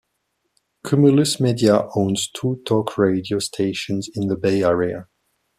Cumulus Media owns two talk radio stations in the Bay Area.